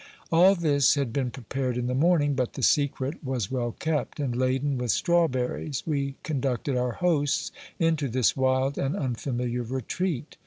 All this had been prepared in the morning, but the secret was well kept, and, laden with strawberries, we conducted our hosts into this wild and unfamiliar retreat.